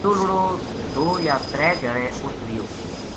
یوہ لُڑو دو یا ترے دھیاڑے اُت رہیو